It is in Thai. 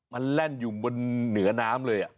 มันแล่นอยู่บนเหนือน้ำเลย